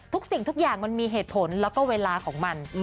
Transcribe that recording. สิ่งทุกอย่างมันมีเหตุผลแล้วก็เวลาของมัน